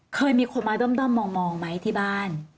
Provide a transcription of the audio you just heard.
เคยมีคนมาด้อมมองไหมที่บ้าน